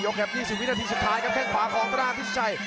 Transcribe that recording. ช่วงปลายยกแค่๒๐วินาทีสุดท้ายกับแค่งขวาของตราพิษชัย